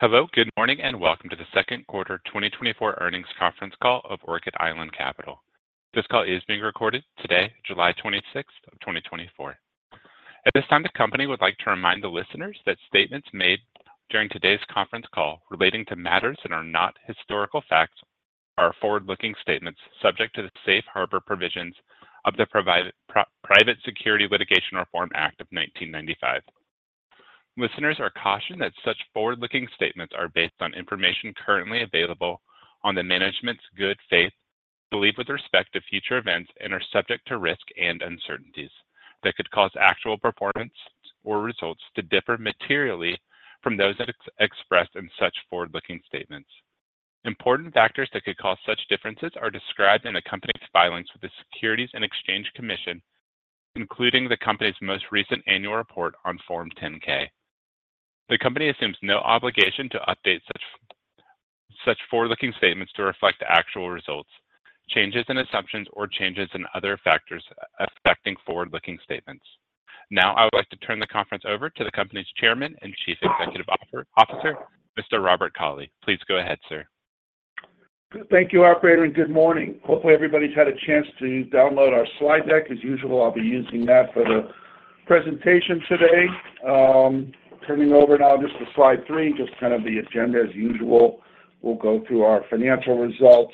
Hello, good morning, and welcome to the second quarter 2024 earnings conference call of Orchid Island Capital. This call is being recorded today, July 26th, 2024. At this time, the company would like to remind the listeners that statements made during today's conference call relating to matters that are not historical facts are forward-looking statements subject to the safe harbor provisions of the Private Securities Litigation Reform Act of 1995. Listeners are cautioned that such forward-looking statements are based on information currently available on the management's good faith, belief with respect to future events, and are subject to risk and uncertainties that could cause actual performance or results to differ materially from those expressed in such forward-looking statements. Important factors that could cause such differences are described in the company's filings with the Securities and Exchange Commission, including the company's most recent annual report on Form 10-K. The company assumes no obligation to update such forward-looking statements to reflect actual results, changes in assumptions, or changes in other factors affecting forward-looking statements. Now, I would like to turn the conference over to the company's Chairman and Chief Executive Officer, Mr. Robert Cauley. Please go ahead, sir. Thank you, operator, and good morning. Hopefully, everybody's had a chance to download our slide deck. As usual, I'll be using that for the presentation today. Turning over now just to slide three, just kind of the agenda as usual. We'll go through our financial results,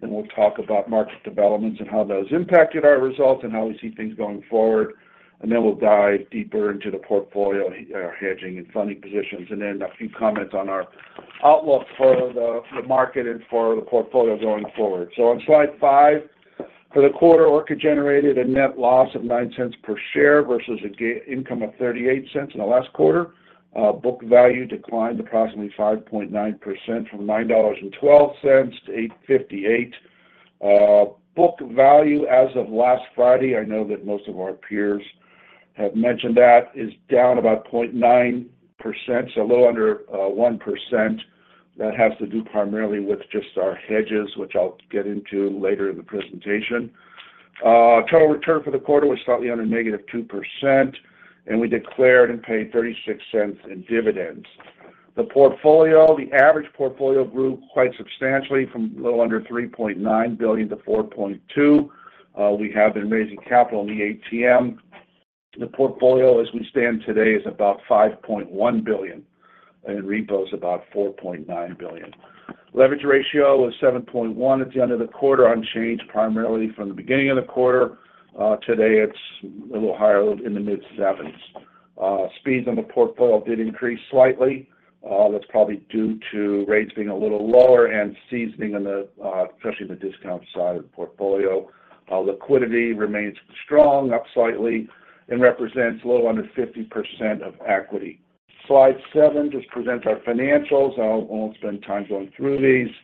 then we'll talk about market developments and how those impacted our results and how we see things going forward. And then we'll dive deeper into the portfolio, our hedging and funding positions, and then a few comments on our outlook for the market and for the portfolio going forward. On slide five, for the quarter, Orchid generated a net loss of $0.09 per share versus an income of $0.38 in the last quarter. Book value declined approximately 5.9% from $9.12-$8.58. Book value as of last Friday, I know that most of our peers have mentioned that, is down about 0.9%, so a little under 1%. That has to do primarily with just our hedges, which I'll get into later in the presentation. Total return for the quarter was slightly under -2%, and we declared and paid $0.36 in dividends. The portfolio, the average portfolio grew quite substantially from a little under $3.9 billion to $4.2 billion. We have been raising capital in the ATM. The portfolio, as we stand today, is about $5.1 billion, and repo is about $4.9 billion. Leverage ratio was 7.1 at the end of the quarter, unchanged primarily from the beginning of the quarter. Today, it's a little higher in the mid-sevens. Speeds on the portfolio did increase slightly. That's probably due to rates being a little lower and seasoning, especially in the discount side of the portfolio. Liquidity remains strong, up slightly, and represents a little under 50% of equity. Slide seven just presents our financials. I won't spend time going through these.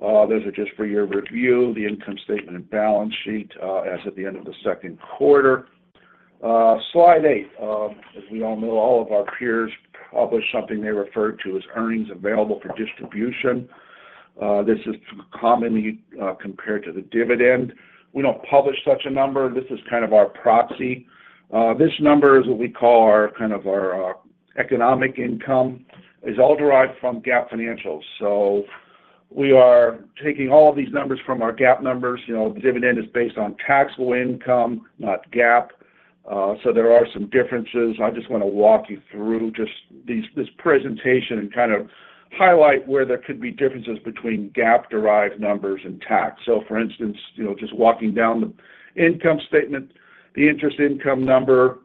Those are just for your review, the income statement and balance sheet as of the end of the second quarter. Slide eight, as we all know, all of our peers published something they referred to as earnings available for distribution. This is commonly compared to the dividend. We don't publish such a number. This is kind of our proxy. This number is what we call our kind of our economic income. It's all derived from GAAP financials. So we are taking all of these numbers from our GAAP numbers. You know, dividend is based on taxable income, not GAAP. So there are some differences. I just want to walk you through just this presentation and kind of highlight where there could be differences between GAAP-derived numbers and tax. So for instance, you know, just walking down the income statement, the interest income number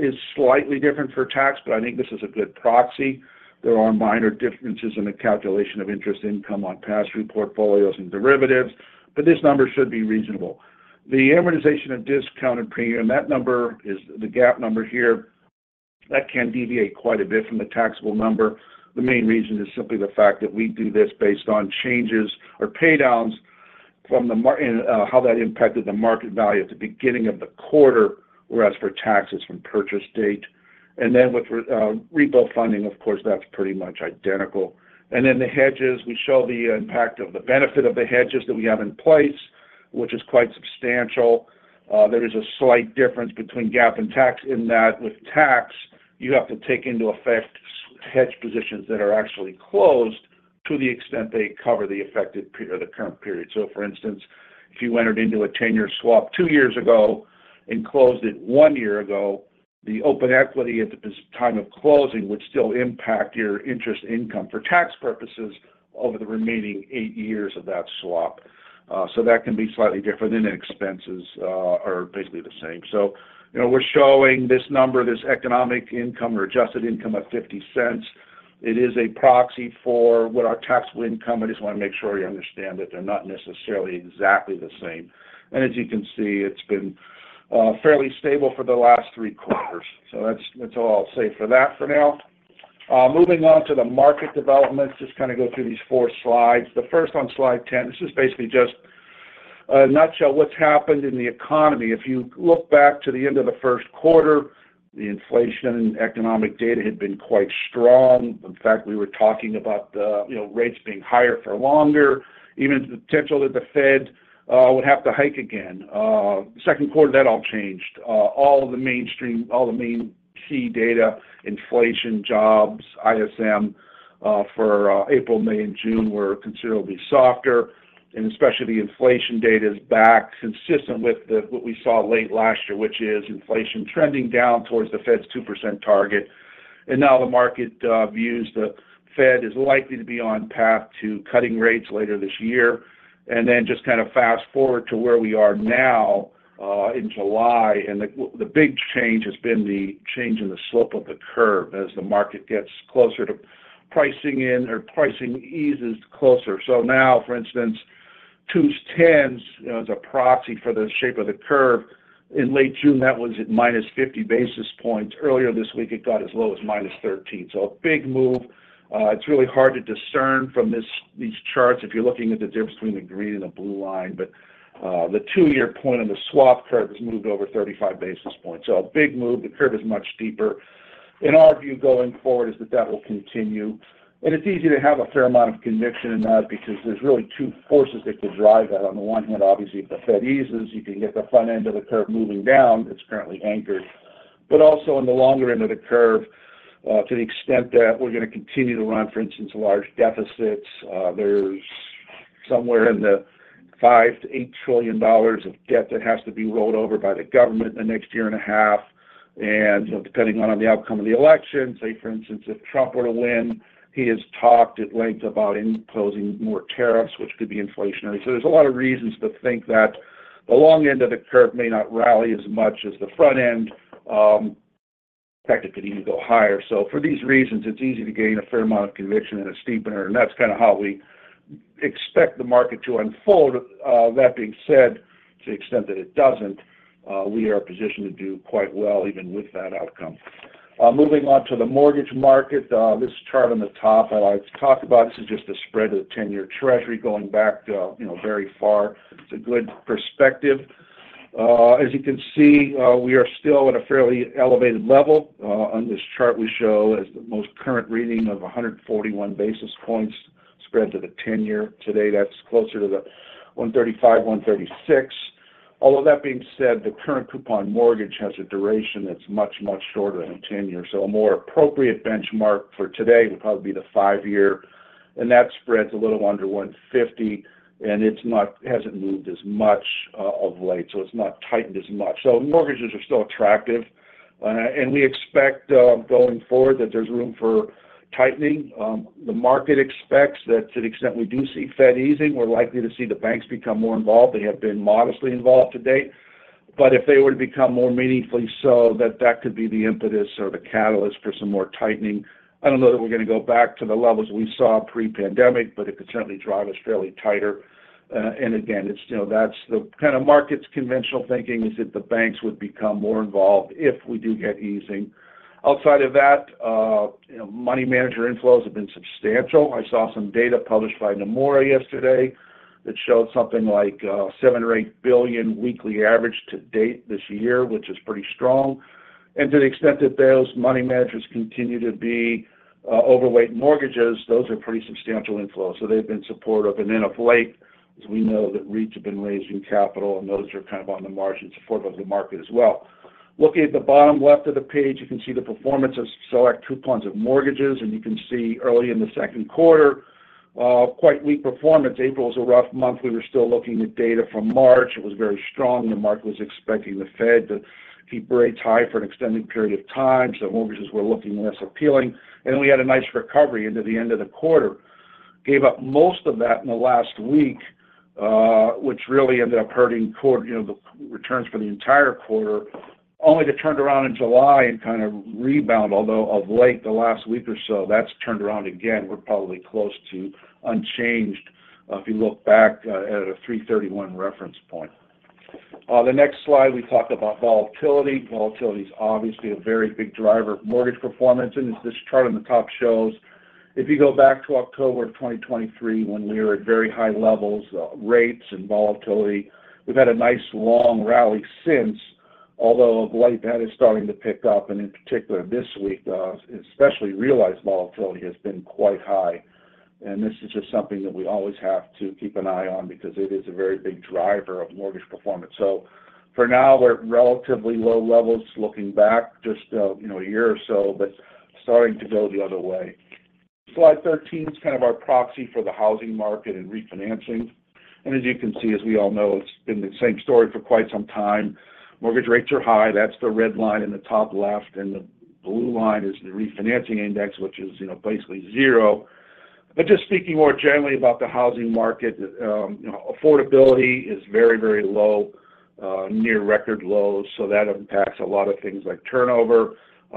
is slightly different for tax, but I think this is a good proxy. There are minor differences in the calculation of interest income on pass-through portfolios and derivatives, but this number should be reasonable. The amortization of discounted premium, that number is the GAAP number here. That can deviate quite a bit from the taxable number. The main reason is simply the fact that we do this based on changes or paydowns from the market and how that impacted the market value at the beginning of the quarter, whereas for taxes from purchase date. And then with repo funding, of course, that's pretty much identical. Then the hedges, we show the impact of the benefit of the hedges that we have in place, which is quite substantial. There is a slight difference between GAAP and tax in that with tax, you have to take into effect hedge positions that are actually closed to the extent they cover the affected period or the current period. So for instance, if you entered into a 10-year swap two years ago and closed it one year ago, the open equity at the time of closing would still impact your interest income for tax purposes over the remaining eight years of that swap. So that can be slightly different than expenses are basically the same. So we're showing this number, this economic income or adjusted income of $0.50. It is a proxy for what our taxable income. I just want to make sure you understand that they're not necessarily exactly the same. As you can see, it's been fairly stable for the last three quarters. That's all I'll say for that for now. Moving on to the market developments, just kind of go through these four slides. The first on slide 10, this is basically just a nutshell of what's happened in the economy. If you look back to the end of the first quarter, the inflation and economic data had been quite strong. In fact, we were talking about the rates being higher for longer, even the potential that the Fed would have to hike again. Second quarter, that all changed. All the mainstream, all the main key data, inflation, jobs, ISM for April, May, and June were considerably softer. Especially the inflation data is back consistent with what we saw late last year, which is inflation trending down towards the Fed's 2% target. Now the market views the Fed is likely to be on path to cutting rates later this year. Then just kind of fast forward to where we are now in July. The big change has been the change in the slope of the curve as the market gets closer to pricing in or pricing eases closer. So now, for instance, 2s10s is a proxy for the shape of the curve. In late June, that was at-50 basis points. Earlier this week, it got as low as -13. So a big move. It's really hard to discern from these charts if you're looking at the difference between the green and the blue line. But the two-year point on the swap curve has moved over 35 basis points. So a big move. The curve is much deeper. In our view, going forward is that that will continue. And it's easy to have a fair amount of conviction in that because there's really two forces that could drive that. On the one hand, obviously, if the Fed eases, you can get the front end of the curve moving down. It's currently anchored. But also on the longer end of the curve, to the extent that we're going to continue to run, for instance, large deficits, there's somewhere in the $5-$8 trillion of debt that has to be rolled over by the government in the next year and a half. Depending on the outcome of the election, say, for instance, if Trump were to win, he has talked at length about imposing more tariffs, which could be inflationary. So there's a lot of reasons to think that the long end of the curve may not rally as much as the front end. In fact, it could even go higher. So for these reasons, it's easy to gain a fair amount of conviction and a steepener. And that's kind of how we expect the market to unfold. That being said, to the extent that it doesn't, we are positioned to do quite well even with that outcome. Moving on to the mortgage market, this chart on the top I like to talk about. This is just the spread of the 10-year Treasury going back very far. It's a good perspective. As you can see, we are still at a fairly elevated level. On this chart, we show as the most current reading of 141 basis points spread to the 10-year. Today, that's closer to 135-136. Although that being said, the current coupon mortgage has a duration that's much, much shorter than a 10-year. So a more appropriate benchmark for today would probably be the 5-year. And that spreads a little under 150. And it hasn't moved as much of late. So it's not tightened as much. So mortgages are still attractive. And we expect going forward that there's room for tightening. The market expects that to the extent we do see Fed easing, we're likely to see the banks become more involved. They have been modestly involved to date. But if they were to become more meaningfully so, that could be the impetus or the catalyst for some more tightening. I don't know that we're going to go back to the levels we saw pre-pandemic, but it could certainly drive us fairly tighter. And again, that's the kind of market's conventional thinking is that the banks would become more involved if we do get easing. Outside of that, money manager inflows have been substantial. I saw some data published by Nomura yesterday that showed something like $7 billion or $8 billion weekly average to date this year, which is pretty strong. And to the extent that those money managers continue to be overweight mortgages, those are pretty substantial inflows. So they've been supportive. And then of late, as we know, that REITs have been raising capital, and those are kind of on the margin support of the market as well. Looking at the bottom left of the page, you can see the performance of select coupons of mortgages. And you can see early in the second quarter, quite weak performance. April was a rough month. We were still looking at data from March. It was very strong. The market was expecting the Fed to keep rates high for an extended period of time. So mortgages were looking less appealing. And we had a nice recovery into the end of the quarter. Gave up most of that in the last week, which really ended up hurting the returns for the entire quarter. Only to turn around in July and kind of rebound, although of late, the last week or so, that's turned around again. We're probably close to unchanged if you look back at a 3/31 reference point. The next slide, we talk about volatility. Volatility is obviously a very big driver of mortgage performance. And as this chart on the top shows, if you go back to October of 2023, when we were at very high levels, rates and volatility, we've had a nice long rally since. Although of late, that is starting to pick up. And in particular this week, especially realized volatility has been quite high. And this is just something that we always have to keep an eye on because it is a very big driver of mortgage performance. So for now, we're at relatively low levels looking back just a year or so, but starting to go the other way. Slide 13 is kind of our proxy for the housing market and refinancing. As you can see, as we all know, it's been the same story for quite some time. Mortgage rates are high. That's the red line in the top left. The blue line is the refinancing index, which is basically zero. But just speaking more generally about the housing market, affordability is very, very low, near record lows. So that impacts a lot of things like turnover,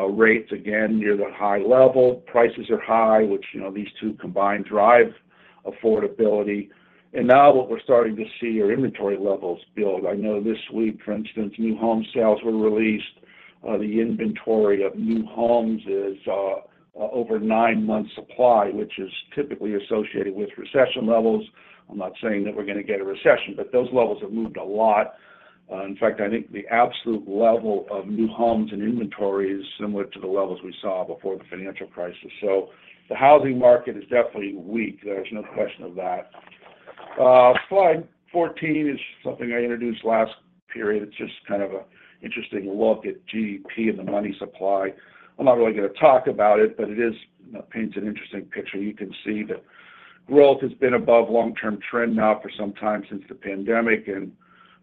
rates again near the high level. Prices are high, which these two combined drive affordability. Now what we're starting to see are inventory levels build. I know this week, for instance, new home sales were released. The inventory of new homes is over nine months' supply, which is typically associated with recession levels. I'm not saying that we're going to get a recession, but those levels have moved a lot. In fact, I think the absolute level of new homes and inventory is similar to the levels we saw before the financial crisis. So the housing market is definitely weak. There's no question of that. Slide 14 is something I introduced last period. It's just kind of an interesting look at GDP and the money supply. I'm not really going to talk about it, but it paints an interesting picture. You can see that growth has been above long-term trend now for some time since the pandemic. And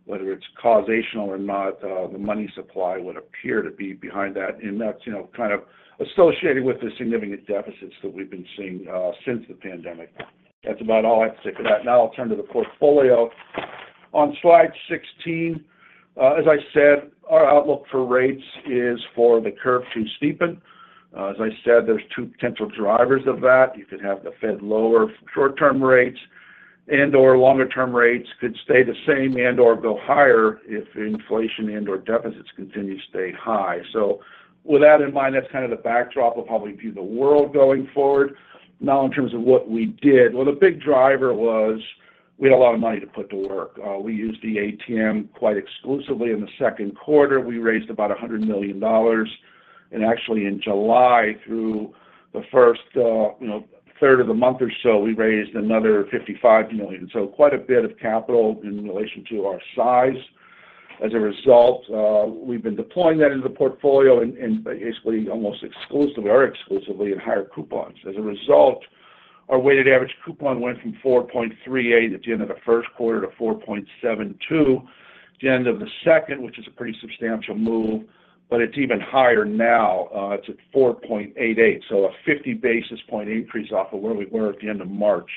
whether it's causal or not, the money supply would appear to be behind that. And that's kind of associated with the significant deficits that we've been seeing since the pandemic. That's about all I have to say for that. Now I'll turn to the portfolio. On Slide 16, as I said, our outlook for rates is for the curve to steepen. As I said, there are 2 potential drivers of that. You could have the Fed lower short-term rates and/or longer-term rates could stay the same and/or go higher if inflation and/or deficits continue to stay high. So with that in mind, that's kind of the backdrop of how we view the world going forward. Now, in terms of what we did, well, the big driver was we had a lot of money to put to work. We used the ATM quite exclusively in the second quarter. We raised about $100 million. And actually, in July, through the first third of the month or so, we raised another $55 million. So quite a bit of capital in relation to our size. As a result, we've been deploying that into the portfolio and basically almost exclusively or exclusively in higher coupons. As a result, our weighted average coupon went from 4.38 at the end of the first quarter to 4.72 at the end of the second, which is a pretty substantial move. But it's even higher now. It's at 4.88. So a 50 basis point increase off of where we were at the end of March.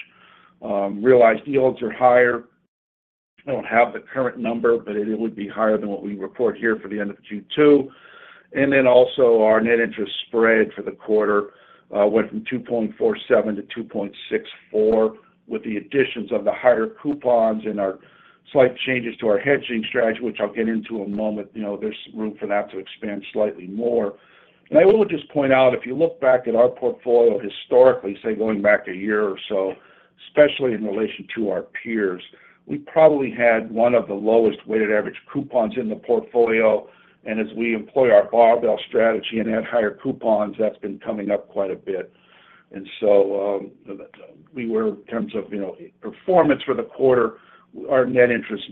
Realized yields are higher. I don't have the current number, but it would be higher than what we report here for the end of Q2. And then also, our net interest spread for the quarter went from 2.47-2.64 with the additions of the higher coupons and our slight changes to our hedging strategy, which I'll get into in a moment. There's room for that to expand slightly more. I will just point out, if you look back at our portfolio historically, say going back a year or so, especially in relation to our peers, we probably had one of the lowest weighted average coupons in the portfolio. As we employ our barbell strategy and add higher coupons, that's been coming up quite a bit. So we were, in terms of performance for the quarter, our net interest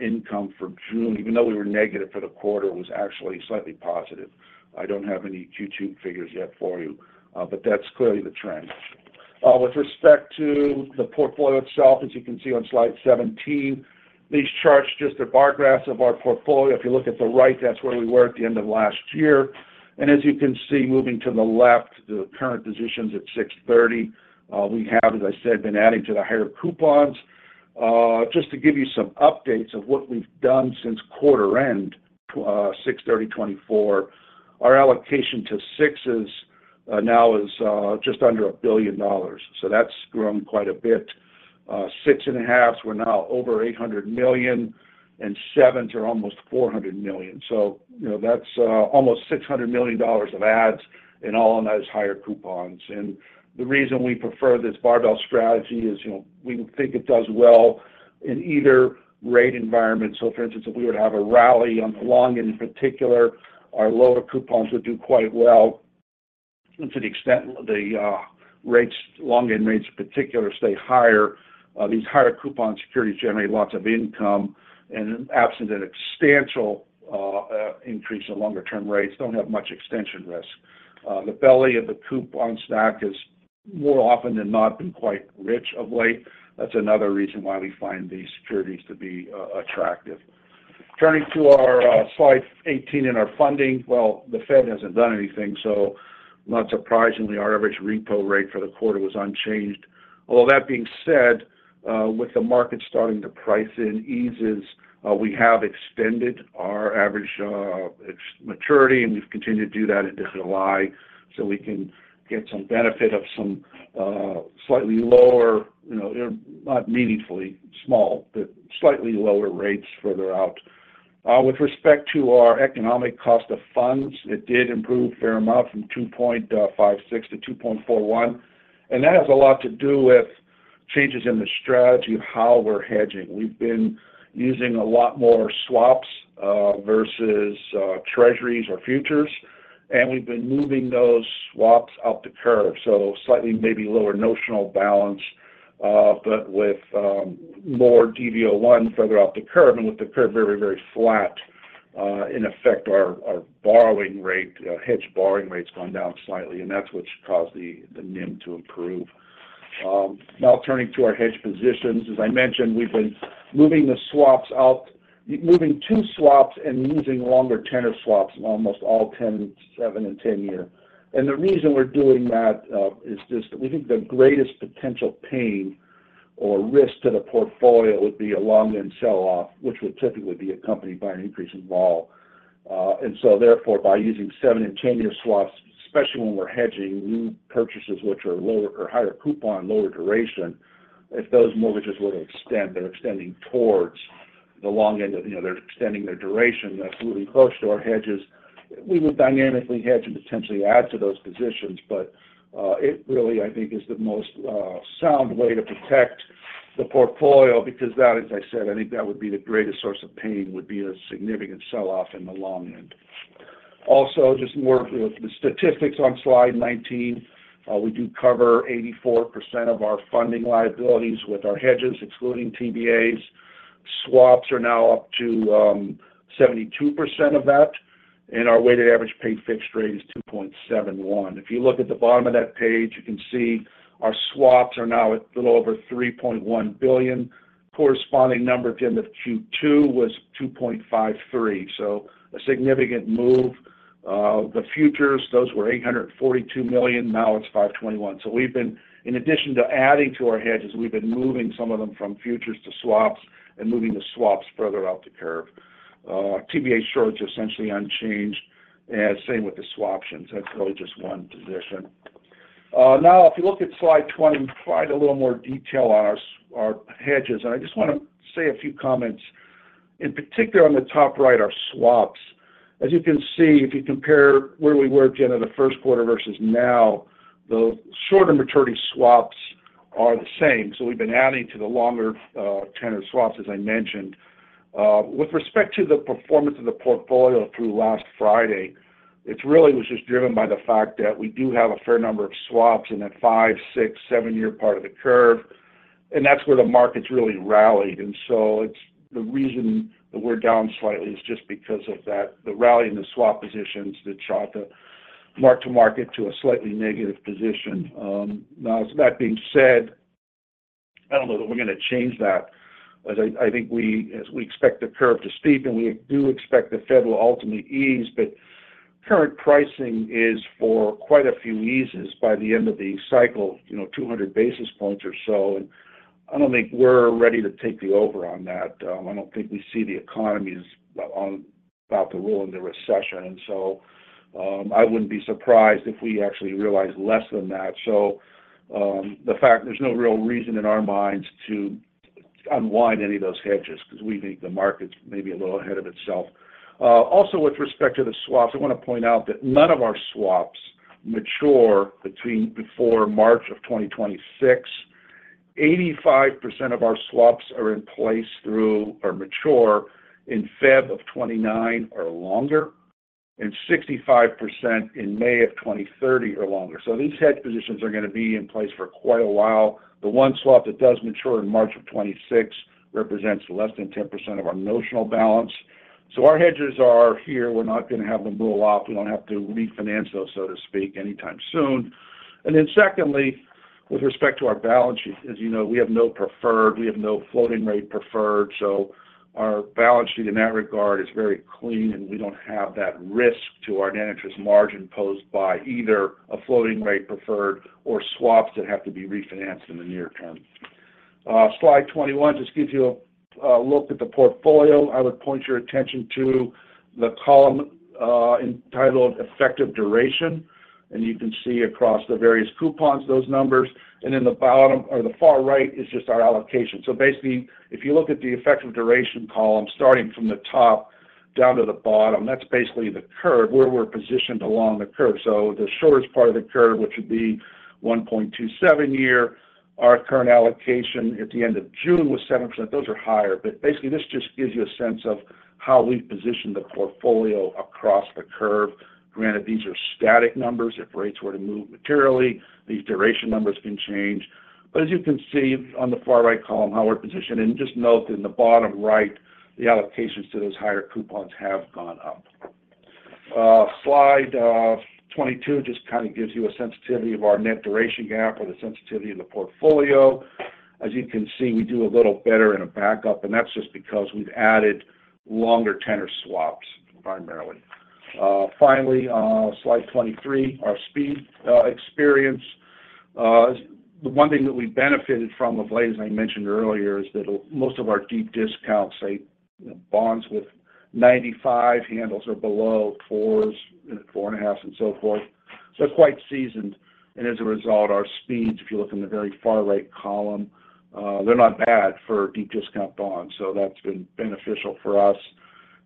income for June, even though we were negative for the quarter, was actually slightly positive. I don't have any Q2 figures yet for you, but that's clearly the trend. With respect to the portfolio itself, as you can see on slide 17, these charts just are bar graphs of our portfolio. If you look at the right, that's where we were at the end of last year. As you can see, moving to the left, the current positions at 6/30, we have, as I said, been adding to the higher coupons. Just to give you some updates of what we've done since quarter end, 6/30/2024, our allocation to sixes now is just under $1 billion. So that's grown quite a bit. Six and a half, we're now over $800 million. And sevens are almost $400 million. So that's almost $600 million of adds and all on those higher coupons. And the reason we prefer this barbell strategy is we think it does well in either rate environment. So for instance, if we were to have a rally on the long end in particular, our lower coupons would do quite well. And to the extent the rates, long end rates in particular, stay higher, these higher coupon securities generate lots of income. Absent a substantial increase in longer-term rates, don't have much extension risk. The belly of the coupon stack has more often than not been quite rich of late. That's another reason why we find these securities to be attractive. Turning to our slide 18 in our funding, well, the Fed hasn't done anything. So not surprisingly, our average repo rate for the quarter was unchanged. Although that being said, with the market starting to price in eases, we have extended our average maturity. And we've continued to do that into July. So we can get some benefit of some slightly lower, not meaningfully small, but slightly lower rates further out. With respect to our economic cost of funds, it did improve a fair amount from 2.56-2.41. And that has a lot to do with changes in the strategy of how we're hedging. We've been using a lot more swaps versus Treasuries or futures. We've been moving those swaps up the curve. So slightly maybe lower notional balance, but with more DV01 further up the curve. With the curve very, very flat, in effect, our borrowing rate, hedged borrowing rate's gone down slightly. That's what's caused the NIM to improve. Now turning to our hedged positions, as I mentioned, we've been moving the swaps out, moving two swaps and using longer tenor swaps in almost all 10, seven, and 10-year. The reason we're doing that is just that we think the greatest potential pain or risk to the portfolio would be a long end sell-off, which would typically be accompanied by an increase in vol. Therefore, by using seven and 10-year swaps, especially when we're hedging new purchases, which are lower or higher coupon, lower duration, if those mortgages were to extend, they're extending towards the long end of their extending their duration. That's moving close to our hedges. We would dynamically hedge and potentially add to those positions. But it really, I think, is the most sound way to protect the portfolio because that, as I said, I think that would be the greatest source of pain, would be a significant sell-off in the long end. Also, just more of the statistics on Slide 19. We do cover 84% of our funding liabilities with our hedges, excluding TBAs. Swaps are now up to 72% of that. And our weighted average paid fixed rate is 2.71%. If you look at the bottom of that page, you can see our swaps are now a little over $3.1 billion. Corresponding number at the end of Q2 was $2.53 billion. So a significant move. The futures, those were $842 million. Now it's $521 million. So we've been, in addition to adding to our hedges, we've been moving some of them from futures to swaps and moving the swaps further up the curve. TBA shorts are essentially unchanged. Same with the swaptions. That's really just one position. Now, if you look at slide 20, we provide a little more detail on our hedges. I just want to say a few comments. In particular, on the top right, our swaps. As you can see, if you compare where we were at the end of the first quarter versus now, the short and maturity swaps are the same. So we've been adding to the longer tenor swaps, as I mentioned. With respect to the performance of the portfolio through last Friday, it really was just driven by the fact that we do have a fair number of swaps in the five, six, seven year part of the curve. And that's where the market's really rallied. And so the reason that we're down slightly is just because of that, the rally in the swap positions that shot the mark to market to a slightly negative position. Now, that being said, I don't know that we're going to change that. I think we expect the curve to steepen. We do expect the Fed will ultimately ease. But current pricing is for quite a few eases by the end of the cycle, 200 basis points or so. And I don't think we're ready to take the over on that. I don't think we'll see the economy about to roll into the recession. So I wouldn't be surprised if we actually realize less than that. So the fact there's no real reason in our minds to unwind any of those hedges because we think the market's maybe a little ahead of itself. Also, with respect to the swaps, I want to point out that none of our swaps mature before March of 2026. 85% of our swaps are in place through or mature in February of 2029 or longer. And 65% in May of 2030 or longer. So these hedge positions are going to be in place for quite a while. The one swap that does mature in March of 2026 represents less than 10% of our notional balance. So our hedges are here. We're not going to have them roll off. We don't have to refinance those, so to speak, anytime soon. And then secondly, with respect to our balance sheet, as you know, we have no preferred. We have no floating rate preferred. So our balance sheet in that regard is very clean. And we don't have that risk to our net interest margin posed by either a floating rate preferred or swaps that have to be refinanced in the near term. Slide 21 just gives you a look at the portfolio. I would point your attention to the column entitled Effective Duration. And you can see across the various coupons, those numbers. And in the bottom or the far right is just our allocation. So basically, if you look at the Effective Duration column starting from the top down to the bottom, that's basically the curve where we're positioned along the curve. So the shortest part of the curve, which would be 1.27 year, our current allocation at the end of June was 7%. Those are higher. But basically, this just gives you a sense of how we've positioned the portfolio across the curve. Granted, these are static numbers. If rates were to move materially, these duration numbers can change. But as you can see on the far right column, how we're positioned. And just note in the bottom right, the allocations to those higher coupons have gone up. Slide 22 just kind of gives you a sensitivity of our net duration gap or the sensitivity of the portfolio. As you can see, we do a little better in a backup. And that's just because we've added longer tenor swaps primarily. Finally, Slide 23, our speed experience. The one thing that we benefited from of late, as I mentioned earlier, is that most of our deep discounts, say, bonds with 95 handles or below, 4s and 4.5s and so forth. So they're quite seasoned. And as a result, our speeds, if you look in the very far right column, they're not bad for deep discount bonds. So that's been beneficial for us.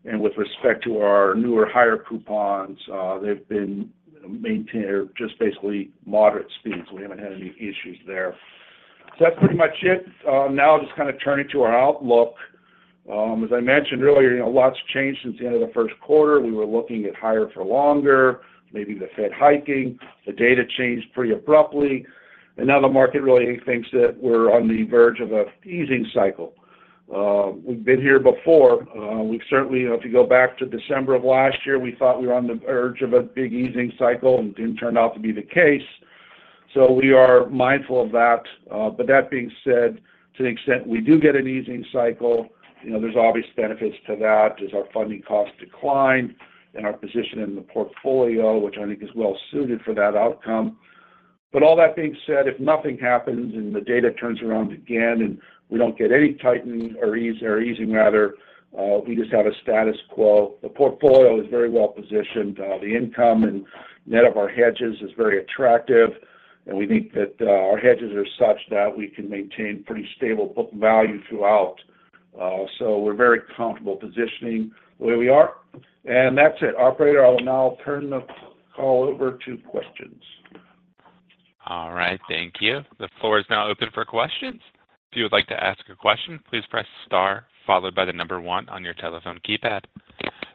And with respect to our newer higher coupons, they've been maintained at just basically moderate speeds. We haven't had any issues there. So that's pretty much it. Now, just kind of turning to our outlook. As I mentioned earlier, lots changed since the end of the first quarter. We were looking at higher for longer, maybe the Fed hiking. The data changed pretty abruptly. And now the market really thinks that we're on the verge of a easing cycle. We've been here before. We've certainly, if you go back to December of last year, we thought we were on the verge of a big easing cycle. It didn't turn out to be the case. We are mindful of that. But that being said, to the extent we do get an easing cycle, there's obvious benefits to that as our funding costs decline and our position in the portfolio, which I think is well suited for that outcome. But all that being said, if nothing happens and the data turns around again and we don't get any tightening or easing, rather, we just have a status quo. The portfolio is very well positioned. The income and net of our hedges is very attractive. We think that our hedges are such that we can maintain pretty stable book value throughout. We're very comfortable positioning the way we are. That's it. Operator, I will now turn the call over to questions. All right. Thank you. The floor is now open for questions. If you would like to ask a question, please press star followed by the number one on your telephone keypad.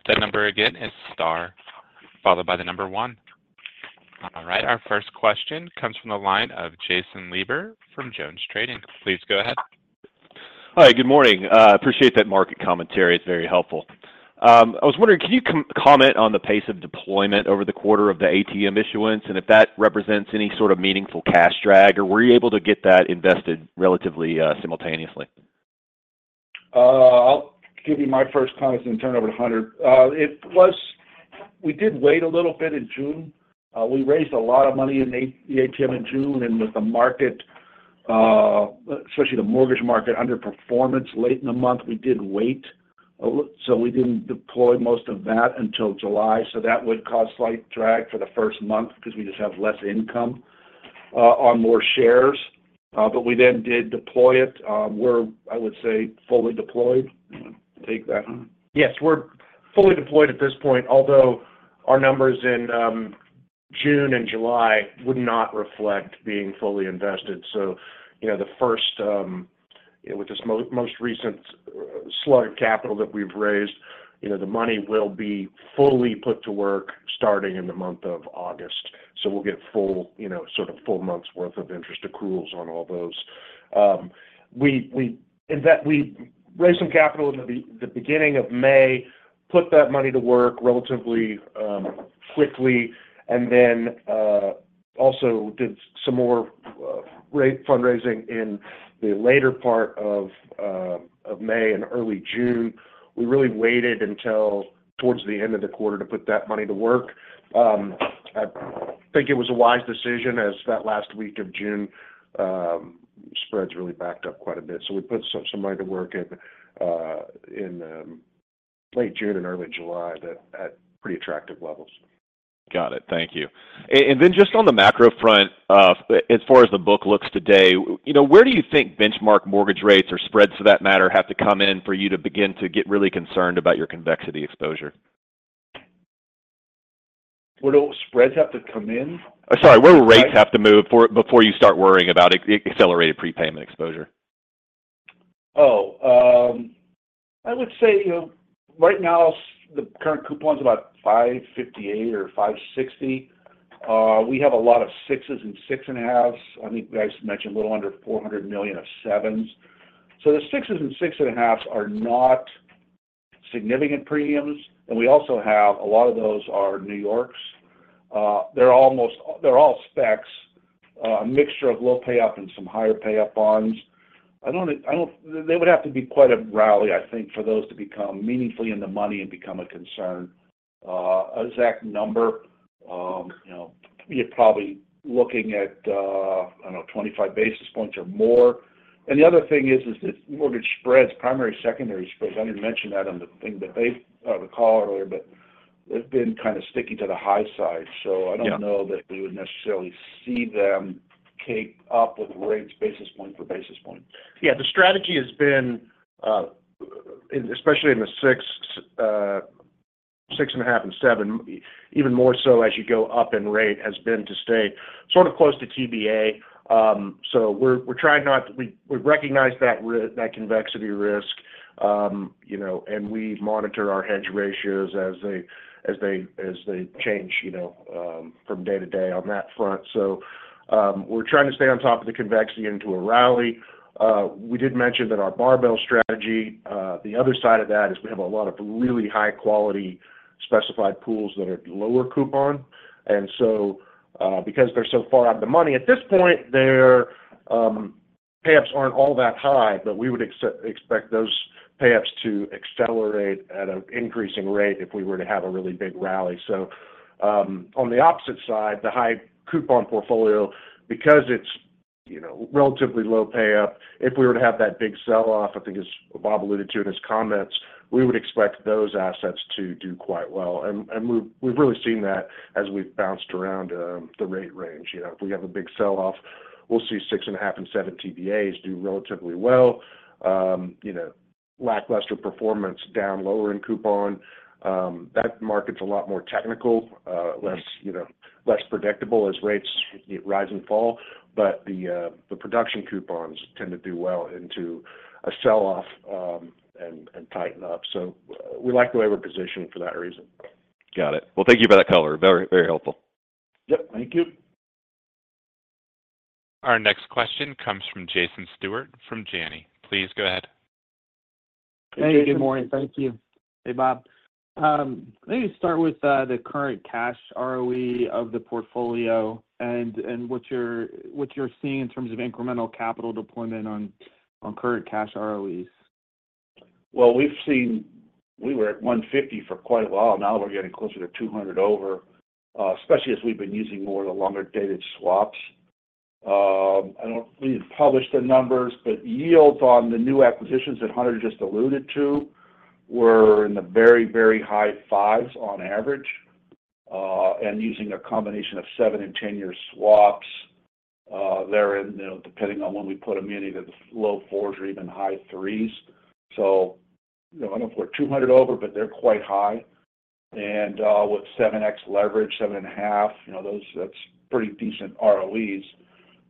That number again is star followed by the number one. All right. Our first question comes from the line of Jason Weaver from JonesTrading. Please go ahead. Hi. Good morning. Appreciate that market commentary. It's very helpful. I was wondering, can you comment on the pace of deployment over the quarter of the ATM issuance and if that represents any sort of meaningful cash drag? Or were you able to get that invested relatively simultaneously? I'll give you my first comments and turn over to Hunter. We did wait a little bit in June. We raised a lot of money in the ATM in June. And with the market, especially the mortgage market, underperformance late in the month, we did wait. So we didn't deploy most of that until July. So that would cause slight drag for the first month because we just have less income on more shares. But we then did deploy it. We're, I would say, fully deployed. Take that, Hunter. Yes. We're fully deployed at this point, although our numbers in June and July would not reflect being fully invested. So the first, with this most recent slug of capital that we've raised, the money will be fully put to work starting in the month of August. So we'll get full, sort of full month's worth of interest accruals on all those. We raised some capital in the beginning of May, put that money to work relatively quickly, and then also did some more fundraising in the later part of May and early June. We really waited until towards the end of the quarter to put that money to work. I think it was a wise decision as that last week of June spreads really backed up quite a bit. So we put some money to work in late June and early July at pretty attractive levels. Got it. Thank you. And then just on the macro front, as far as the book looks today, where do you think benchmark mortgage rates or spreads, for that matter, have to come in for you to begin to get really concerned about your convexity exposure? Where do spreads have to come in? Sorry. Where do rates have to move before you start worrying about accelerated prepayment exposure? Oh. I would say right now, the current coupon's about 558 or 560. We have a lot of 6s and 6.5s. I think you guys mentioned a little under $400 million of 7s. So the 6s and 6.5s are not significant premiums. And we also have a lot of those are New Yorks. They're all specs, a mixture of low pay-up and some higher pay-up bonds. They would have to be quite a rally, I think, for those to become meaningfully in the money and become a concern. Exact number, you're probably looking at, I don't know, 25 basis points or more. And the other thing is that mortgage spreads, primary and secondary spreads, I didn't mention that on the thing that they were called earlier, but they've been kind of sticky to the high side. So I don't know that we would necessarily see them keep up with rates basis point for basis point. Yeah. The strategy has been, especially in the 6.5 and seven, even more so as you go up in rate, has been to stay sort of close to TBA. So we're trying not to recognize that convexity risk. And we monitor our hedge ratios as they change from day to day on that front. So we're trying to stay on top of the convexity into a rally. We did mention that our barbell strategy, the other side of that is we have a lot of really high-quality specified pools that are lower coupon. And so because they're so far out of the money, at this point, their payoffs aren't all that high. But we would expect those payoffs to accelerate at an increasing rate if we were to have a really big rally. So on the opposite side, the high coupon portfolio, because it's relatively low pay-up, if we were to have that big sell-off, I think as Bob alluded to in his comments, we would expect those assets to do quite well. And we've really seen that as we've bounced around the rate range. If we have a big sell-off, we'll see 6.5 and seven TBAs do relatively well. Lackluster performance down lower in coupon. That market's a lot more technical, less predictable as rates rise and fall. But the production coupons tend to do well into a sell-off and tighten up. So we like the way we're positioned for that reason. Got it. Well, thank you for that color. Very, very helpful. Yep. Thank you. Our next question comes from Jason Stewart from Janney. Please go ahead. Hey. Good morning. Thank you. Hey, Bob. Let me start with the current cash ROE of the portfolio and what you're seeing in terms of incremental capital deployment on current cash ROEs. Well, we've seen we were at 150 for quite a while. Now we're getting closer to 200 over, especially as we've been using more of the longer dated swaps. I don't think we published the numbers, but yields on the new acquisitions that Hunter just alluded to were in the very, very high 5s on average. And using a combination of 7 and 10 year swaps, they're in, depending on when we put them in, either the low 4s or even high 3s. So I don't know if we're 200 over, but they're quite high. And with 7x leverage, 7.5, that's pretty decent ROEs.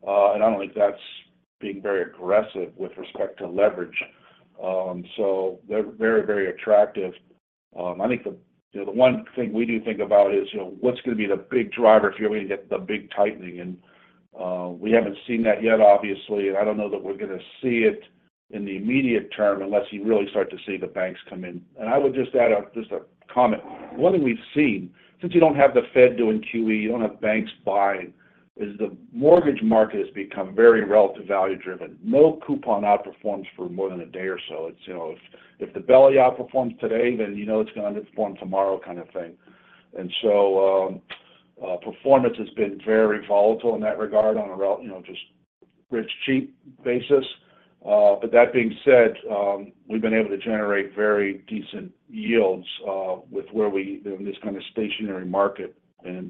And I don't think that's being very aggressive with respect to leverage. So they're very, very attractive. I think the one thing we do think about is what's going to be the big driver if you're going to get the big tightening. We haven't seen that yet, obviously. I don't know that we're going to see it in the immediate term unless you really start to see the banks come in. I would just add just a comment. One thing we've seen, since you don't have the Fed doing QE, you don't have banks buying, is the mortgage market has become very relative value-driven. No coupon outperforms for more than a day or so. If the belly outperforms today, then you know it's going to underperform tomorrow kind of thing. So performance has been very volatile in that regard on a just rich-cheap basis. But that being said, we've been able to generate very decent yields with this kind of stationary market.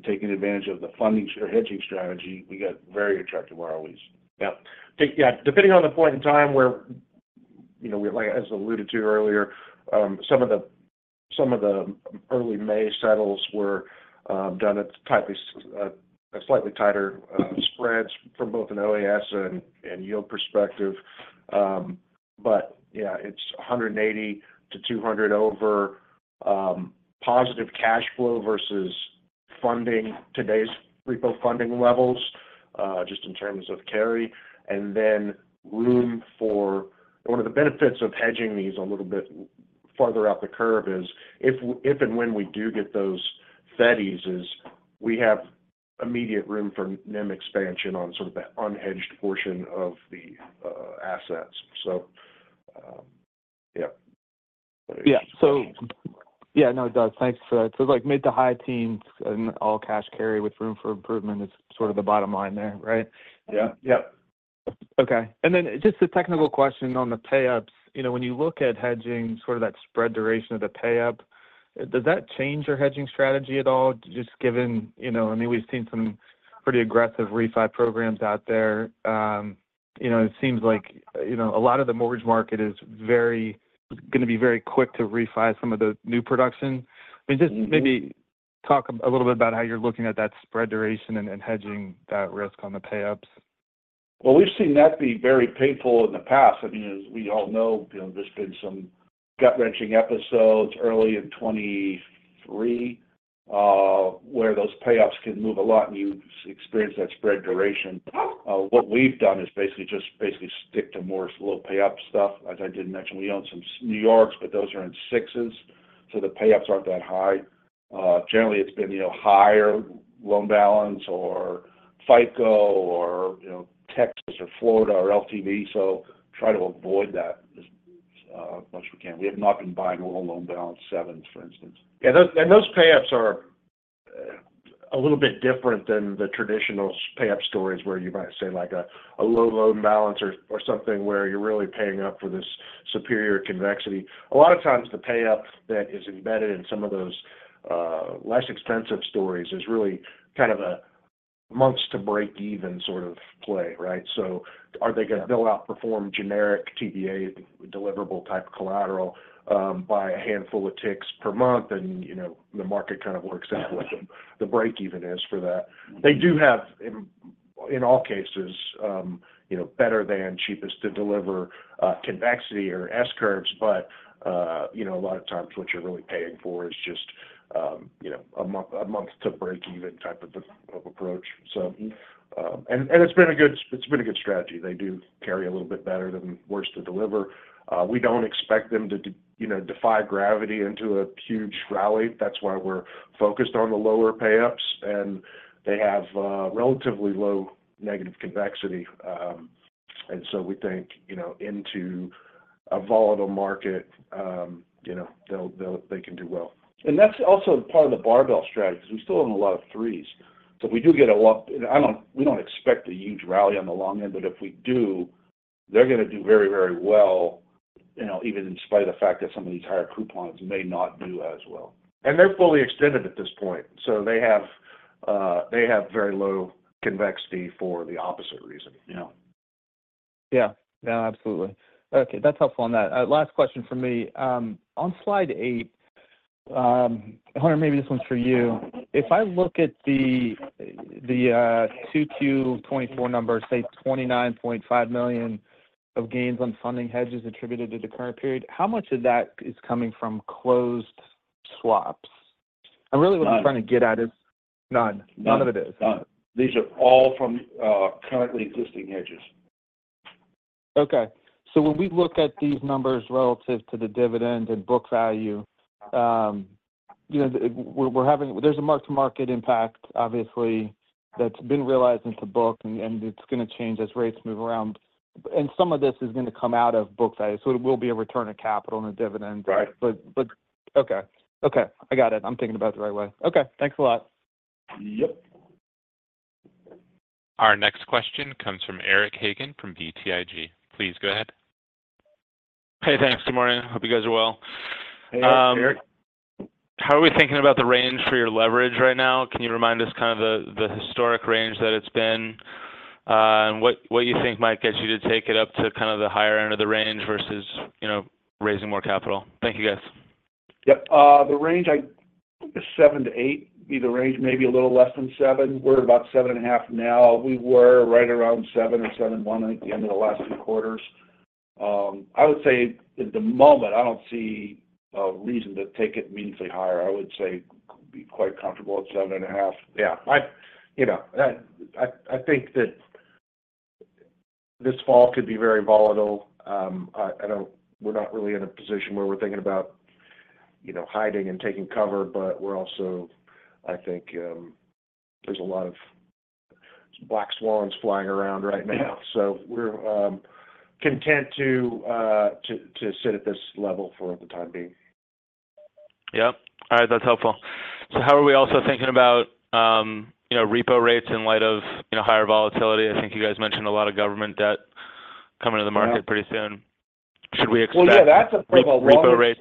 Taking advantage of the funding or hedging strategy, we got very attractive ROEs. Yeah. Yeah. Depending on the point in time where we, as alluded to earlier, some of the early May settles were done at slightly tighter spreads from both an OAS and yield perspective. But yeah, it's 180-200 over positive cash flow versus funding today's repo funding levels just in terms of carry. And then, one of the benefits of hedging these a little bit farther out the curve is if and when we do get those Fed cuts, we have immediate room for NIM expansion on sort of the unhedged portion of the assets. So yeah. Yeah. So yeah, no, it does. Thanks for that. So it's like mid- to high teens and all cash carry with room for improvement is sort of the bottom line there, right? Yeah. Yep. Okay. Then just a technical question on the payouts. When you look at hedging sort of that spread duration of the payout, does that change your hedging strategy at all? Just given, I mean, we've seen some pretty aggressive refi programs out there. It seems like a lot of the mortgage market is going to be very quick to refi some of the new production. I mean, just maybe talk a little bit about how you're looking at that spread duration and hedging that risk on the payouts? Well, we've seen that be very painful in the past. I mean, as we all know, there's been some gut-wrenching episodes early in 2023 where those pay-ups can move a lot and you experience that spread duration. What we've done is basically just basically stick to more low pay-up stuff. As I did mention, we own some New Yorks, but those are in sixes. So the pay-ups aren't that high. Generally, it's been higher loan balance or FICO or Texas or Florida or LTV. So try to avoid that as much as we can. We have not been buying low loan balance sevens, for instance. Yeah. And those pay-ups are a little bit different than the traditional pay-up stories where you might say like a low loan balance or something where you're really paying up for this superior convexity. A lot of times the payout that is embedded in some of those less expensive stories is really kind of a months to break even sort of play, right? So are they going to go outperform generic TBA deliverable type collateral by a handful of ticks per month? And the market kind of works out what the break even is for that. They do have, in all cases, better than cheapest to deliver convexity or S curves. But a lot of times what you're really paying for is just a month to break even type of approach. And it's been a good strategy. They do carry a little bit better than worse to deliver. We don't expect them to defy gravity into a huge rally. That's why we're focused on the lower payouts. And they have relatively low negative convexity. We think in a volatile market, they can do well. That's also part of the barbell strategy because we still have a lot of threes. If we do get a lot, we don't expect a huge rally on the long end. If we do, they're going to do very, very well even in spite of the fact that some of these higher coupons may not do as well. They're fully extended at this point. They have very low convexity for the opposite reason. Yeah. Yeah. Yeah. Absolutely. Okay. That's helpful on that. Last question for me. On slide 8, Hunter, maybe this one's for you. If I look at the 2Q24 numbers, say $29.5 million of gains on funding hedges attributed to the current period, how much of that is coming from closed swaps? And really what I'm trying to get at is none. None of it is. None. These are all from currently existing hedges. Okay. When we look at these numbers relative to the dividend and book value, there's a mark-to-market impact, obviously, that's been realized into book. It's going to change as rates move around. Some of this is going to come out of book value. It will be a return of capital and a dividend. Right. Okay. Okay. I got it. I'm thinking about it the right way. Okay. Thanks a lot. Yep. Our next question comes from Eric Hagan from BTIG. Please go ahead. Hey, thanks. Good morning. Hope you guys are well. Hey, Eric. How are we thinking about the range for your leverage right now? Can you remind us kind of the historic range that it's been and what you think might get you to take it up to kind of the higher end of the range versus raising more capital? Thank you, guys. Yep. The range I think is 7-8. But the range maybe a little less than 7. We're about 7.5 now. We were right around 7 or 7.1 at the end of the last two quarters. I would say at the moment, I don't see a reason to take it meaningfully higher. I would say [we'd] be quite comfortable at 7.5. Yeah. I think that this fall could be very volatile. We're not really in a position where we're thinking about hiding and taking cover. But we're also, I think there's a lot of black swans flying around right now. So we're content to sit at this level for the time being. Yep. All right. That's helpful. So how are we also thinking about repo rates in light of higher volatility? I think you guys mentioned a lot of government debt coming to the market pretty soon. Should we expect repo rates?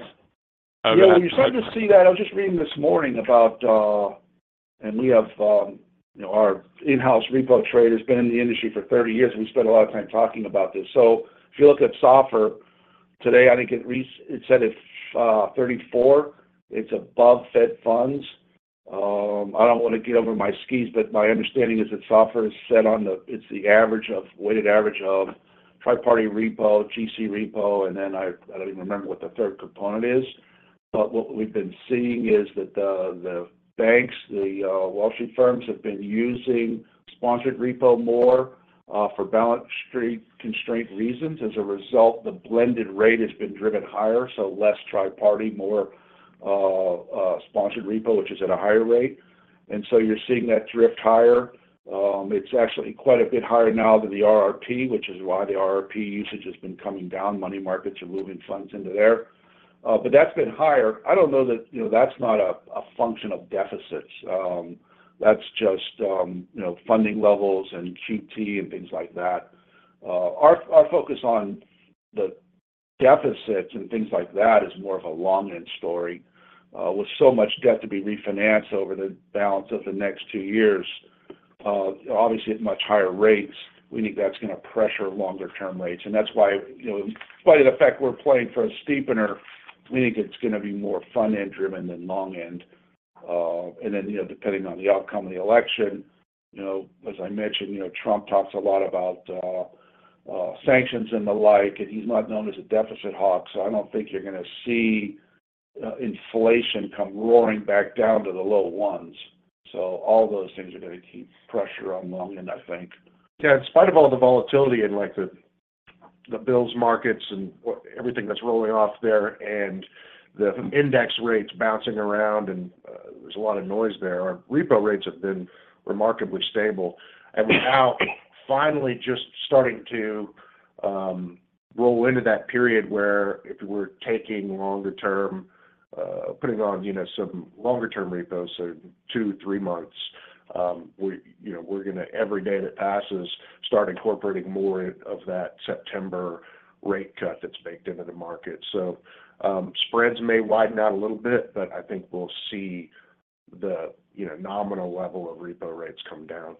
Well, yeah. You tend to see that. I was just reading this morning about, and we have our in-house repo traders been in the industry for 30 years. We spent a lot of time talking about this. So if you look at SOFR today, I think it said it's 34. It's above Fed funds. I don't want to get over my skis, but my understanding is that SOFR is set on the; it's the average of weighted average of Triparty Repo, GC Repo, and then I don't even remember what the third component is. But what we've been seeing is that the banks, the Wall Street firms have been using sponsored repo more for balance sheet constraint reasons. As a result, the blended rate has been driven higher. So less Triparty, more sponsored repo, which is at a higher rate. And so you're seeing that drift higher. It's actually quite a bit higher now than the RRP, which is why the RRP usage has been coming down. Money markets are moving funds into there. But that's been higher. I don't know that that's not a function of deficits. That's just funding levels and QT and things like that. Our focus on the deficits and things like that is more of a long-end story with so much debt to be refinanced over the balance of the next two years. Obviously, at much higher rates, we think that's going to pressure longer-term rates. And that's why, in spite of the fact we're playing for a steepener, we think it's going to be more front-end driven than long-end. And then depending on the outcome of the election, as I mentioned, Trump talks a lot about sanctions and the like, and he's not known as a deficit hawk. So I don't think you're going to see inflation come roaring back down to the low ones. So all those things are going to keep pressure on long-end, I think. Yeah. In spite of all the volatility in the bills markets and everything that's rolling off there and the index rates bouncing around, and there's a lot of noise there, repo rates have been remarkably stable. And we're now finally just starting to roll into that period where if we're taking longer-term, putting on some longer-term repos, so 2, 3 months, we're going to, every day that passes, start incorporating more of that September rate cut that's baked into the market. So spreads may widen out a little bit, but I think we'll see the nominal level of repo rates come down.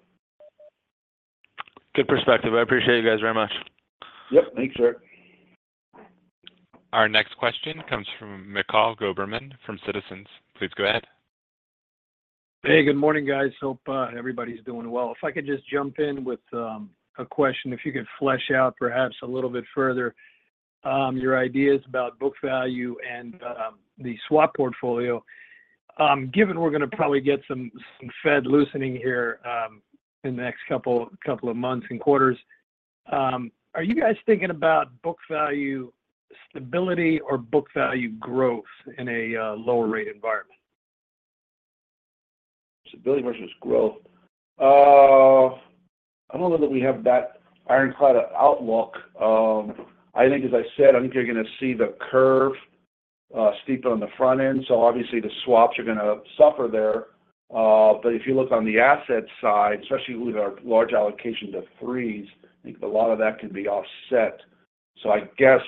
Good perspective. I appreciate you guys very much. Yep. Thanks, Eric. Our next question comes from Mikhail Goberman from Citizens. Please go ahead. Hey, good morning, guys. Hope everybody's doing well. If I could just jump in with a question, if you could flesh out perhaps a little bit further your ideas about book value and the swap portfolio. Given we're going to probably get some Fed loosening here in the next couple of months and quarters, are you guys thinking about book value stability or book value growth in a lower-rate environment? Stability versus growth. I don't know that we have that ironclad outlook. I think, as I said, I think you're going to see the curve steepen on the front end. So obviously, the swaps are going to suffer there. But if you look on the asset side, especially with our large allocation to threes, I think a lot of that can be offset. So I guess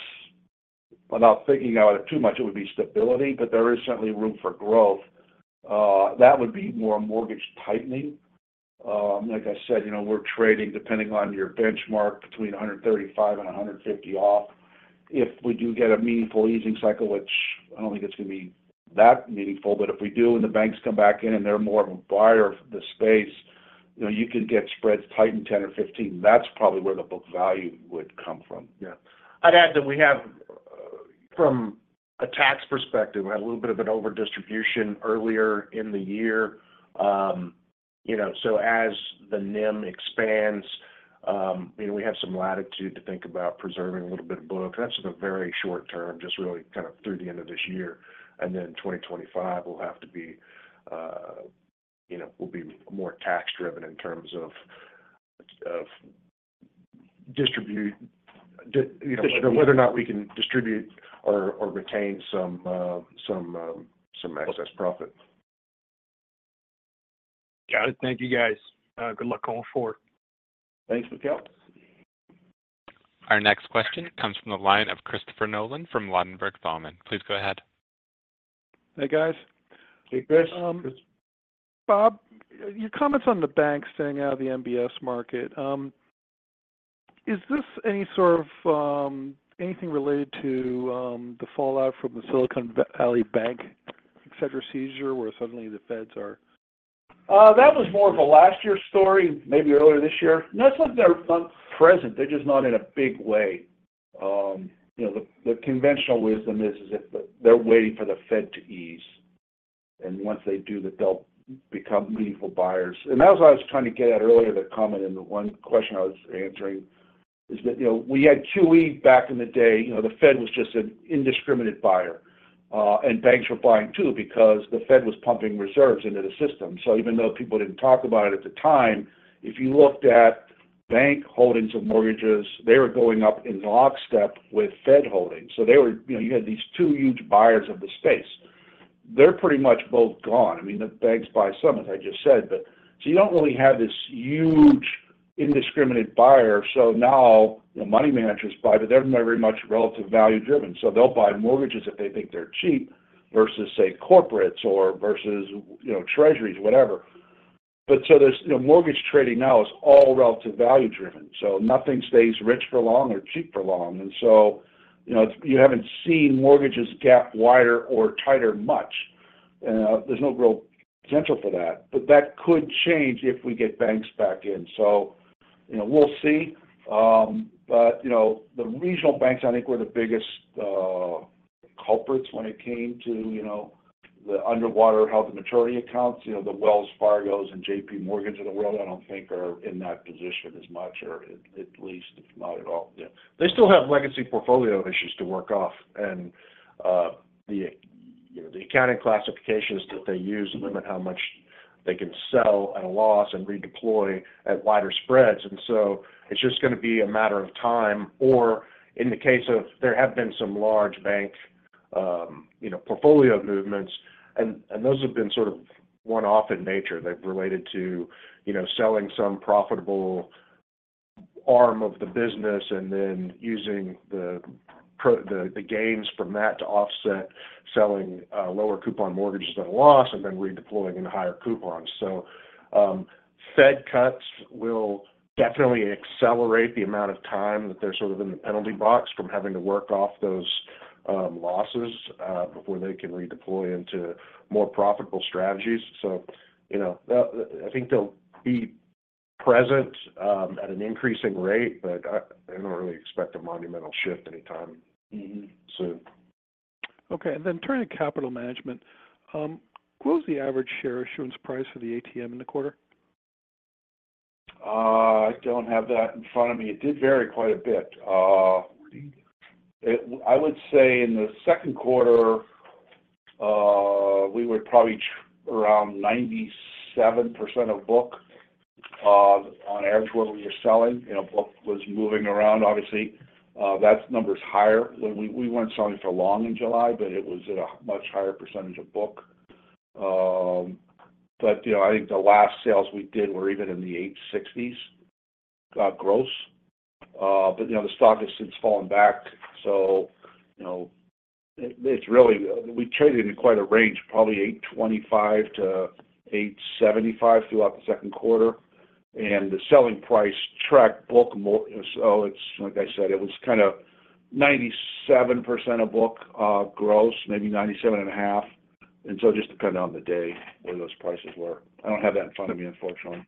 without thinking out too much, it would be stability, but there is certainly room for growth. That would be more mortgage tightening. Like I said, we're trading depending on your benchmark between 135 and 150 off. If we do get a meaningful easing cycle, which I don't think it's going to be that meaningful, but if we do and the banks come back in and they're more of a buyer of the space, you can get spreads tightened 10 or 15. That's probably where the book value would come from. Yeah. I'd add that we have, from a tax perspective, we had a little bit of an over-distribution earlier in the year. So as the NIM expands, we have some latitude to think about preserving a little bit of book. That's in the very short term, just really kind of through the end of this year. And then 2025, we'll be more tax-driven in terms of whether or not we can distribute or retain some excess profit. Got it. Thank you, guys. Good luck going forward. Thanks, Mikhail. Our next question comes from the line of Christopher Nolan from Ladenburg Thalmann. Please go ahead. Hey, guys. Hey, Chris. Bob, your comments on the banks staying out of the MBS market. Is this any sort of anything related to the fallout from the Silicon Valley Bank etc. seizure where suddenly the Feds are? That was more of a last year's story, maybe earlier this year. No, it's not present. They're just not in a big way. The conventional wisdom is that they're waiting for the Fed to ease. And once they do, that they'll become meaningful buyers. And that was what I was trying to get at earlier in the comment. And the one question I was answering is that we had QE back in the day. The Fed was just an indiscriminate buyer. And banks were buying too because the Fed was pumping reserves into the system. So even though people didn't talk about it at the time, if you looked at bank holdings and mortgages, they were going up in lockstep with Fed holdings. So you had these two huge buyers of the space. They're pretty much both gone. I mean, the banks buy some, as I just said. So you don't really have this huge indiscriminate buyer. So now money managers buy, but they're very much relative value-driven. So they'll buy mortgages if they think they're cheap versus, say, corporates or versus treasuries, whatever. But so mortgage trading now is all relative value-driven. So nothing stays rich for long or cheap for long. And so you haven't seen mortgages gap wider or tighter much. There's no real potential for that. But that could change if we get banks back in. So we'll see. But the regional banks, I think, were the biggest culprits when it came to the underwater held-to-maturity accounts. The Wells Fargos and JPMorgans in the world, I don't think, are in that position as much, or at least not at all. Yeah. They still have legacy portfolio issues to work off. The accounting classifications that they use limit how much they can sell at a loss and redeploy at wider spreads. So it's just going to be a matter of time. Or, in the case of, there have been some large bank portfolio movements, and those have been sort of one-off in nature. They've related to selling some profitable arm of the business and then using the gains from that to offset selling lower coupon mortgages at a loss and then redeploying into higher coupons. So Fed cuts will definitely accelerate the amount of time that they're sort of in the penalty box from having to work off those losses before they can redeploy into more profitable strategies. So I think they'll be present at an increasing rate, but I don't really expect a monumental shift anytime soon. Okay. And then turning to capital management, what was the average share issuance price for the ATM in the quarter? I don't have that in front of me. It did vary quite a bit. I would say in the second quarter, we were probably around 97% of book on average where we were selling. Book was moving around, obviously. That number's higher. We weren't selling for long in July, but it was at a much higher percentage of book. But I think the last sales we did were even in the 860s gross. But the stock has since fallen back. So it's really we traded in quite a range, probably 825-875 throughout the second quarter. And the selling price tracked book. So it's, like I said, it was kind of 97% of book gross, maybe 97.5%. And so it just depended on the day where those prices were. I don't have that in front of me, unfortunately.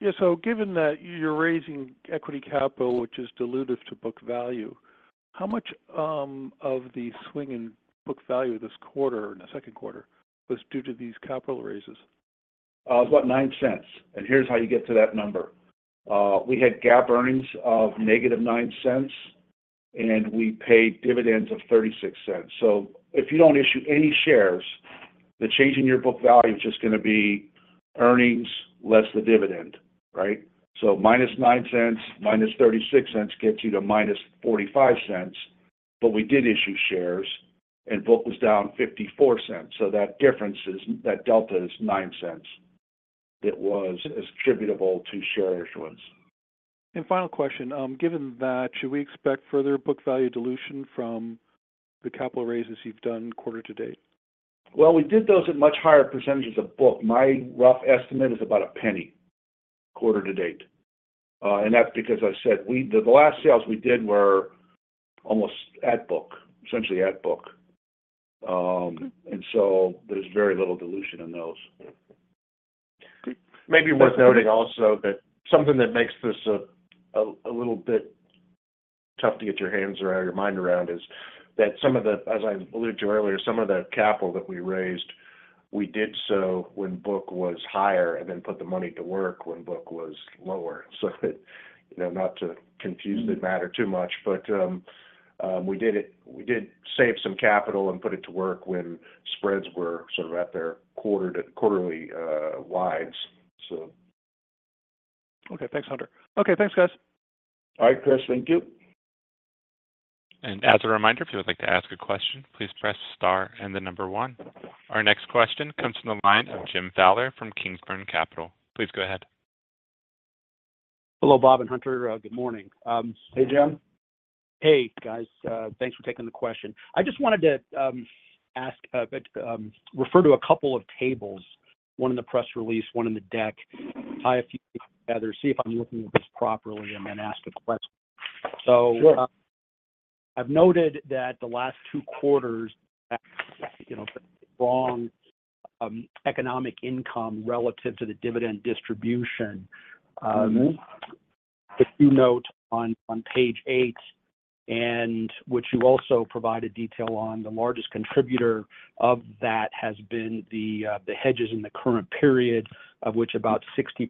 Yeah. So given that you're raising equity capital, which is dilutive to book value, how much of the swing in book value this quarter and the second quarter was due to these capital raises? It was about $0.09. Here's how you get to that number. We had GAAP earnings of -$0.09, and we paid dividends of $0.36. So if you don't issue any shares, the change in your book value is just going to be earnings less the dividend, right? So -$0.09, -$0.36 gets you to -$0.45. But we did issue shares, and book was down $0.54. So that difference, that delta is $0.09 that was attributable to share issuance. Final question. Given that, should we expect further book value dilution from the capital raises you've done quarter to date? Well, we did those at much higher percentages of book. My rough estimate is about $0.01, quarter to date. And that's because I said the last sales we did were almost at book, essentially at book. And so there's very little dilution in those. Great. Maybe worth noting also that something that makes this a little bit tough to get your hands around, your mind around, is that some of the, as I alluded to earlier, some of the capital that we raised, we did so when book was higher and then put the money to work when book was lower. So not to confuse the matter too much, but we did save some capital and put it to work when spreads were sort of at their quarterly wides, so. Okay. Thanks, Hunter. Okay. Thanks, guys. All right, Chris. Thank you. As a reminder, if you would like to ask a question, please press star and the number one. Our next question comes from the line of Jim Fowler from Kingsbarn Capital. Please go ahead. Hello, Bob and Hunter. Good morning. Hey, Jim. Hey, guys. Thanks for taking the question. I just wanted to ask a bit, refer to a couple of tables, one in the press release, one in the deck. Tie a few together, see if I'm looking at this properly, and then ask a question. So I've noted that the last two quarters had strong economic income relative to the dividend distribution. A few notes on page 8, and which you also provided detail on, the largest contributor of that has been the hedges in the current period, of which about 60%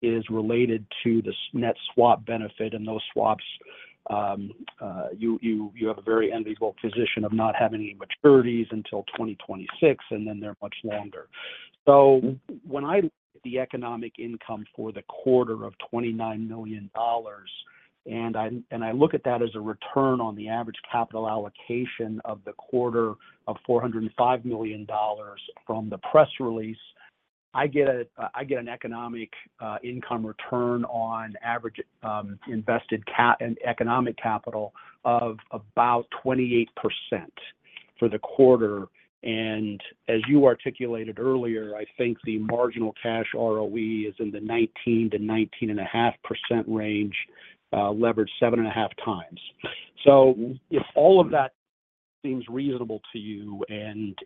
is related to the net swap benefit. And those swaps, you have a very unusual position of not having any maturities until 2026, and then they're much longer. So when I look at the economic income for the quarter of $29 million, and I look at that as a return on the average capital allocation of the quarter of $405 million from the press release, I get an economic income return on average invested economic capital of about 28% for the quarter. And as you articulated earlier, I think the marginal cash ROE is in the 19%-19.5% range, levered 7.5x. So if all of that seems reasonable to you and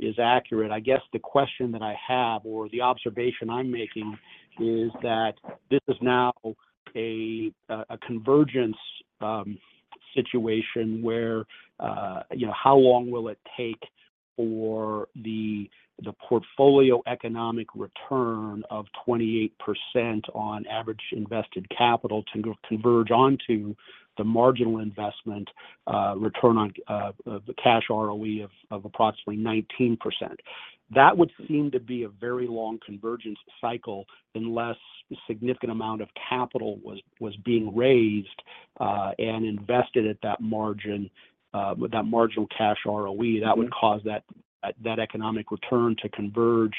is accurate, I guess the question that I have or the observation I'm making is that this is now a convergence situation where how long will it take for the portfolio economic return of 28% on average invested capital to converge onto the marginal investment return on cash ROE of approximately 19%? That would seem to be a very long convergence cycle unless a significant amount of capital was being raised and invested at that margin, that marginal cash ROE. That would cause that economic return to converge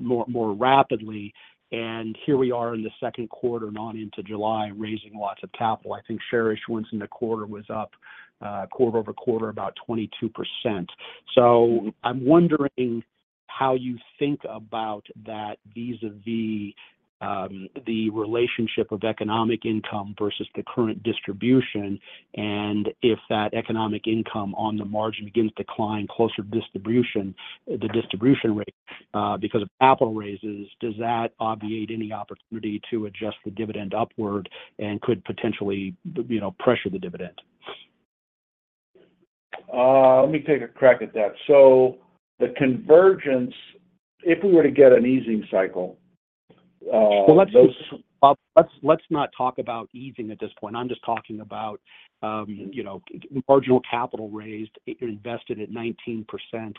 more rapidly. And here we are in the second quarter, not into July, raising lots of capital. I think share issuance in the quarter was up quarter-over-quarter about 22%. So I'm wondering how you think about that vis-à-vis the relationship of economic income versus the current distribution. And if that economic income on the margin begins to climb closer to distribution, the distribution rate because of capital raises, does that obviate any opportunity to adjust the dividend upward and could potentially pressure the dividend? Let me take a crack at that. So the convergence, if we were to get an easing cycle. Well, let's not talk about easing at this point. I'm just talking about marginal capital raised, invested at 19%